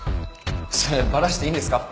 それバラしていいんですか？